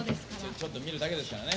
・ちょっと見るだけですからね。